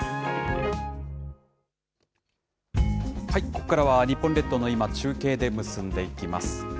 ここからは日本列島の今、中継で結んでいきます。